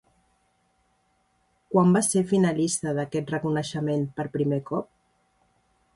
Quan va ser finalista d'aquest reconeixement per primer cop?